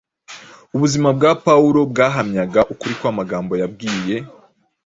ubuzima bwa Pawulo bwahamyaga ukuri kw’amagambo yabwiye